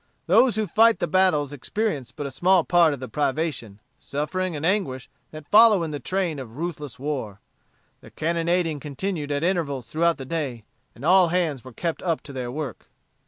Those who fight the battles experience but a small part of the privation, suffering, and anguish that follow in the train of ruthless war. The cannonading continued at intervals throughout the day, and all hands were kept up to their work."